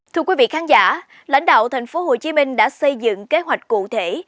thưa quý vị khán giả lãnh đạo thành phố hồ chí minh đã xây dựng kế hoạch cụ thể